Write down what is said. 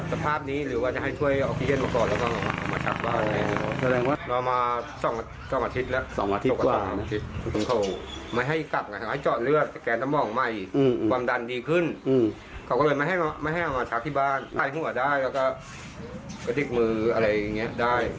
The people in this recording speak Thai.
ทางมือมืออะไรอย่างนี้ได้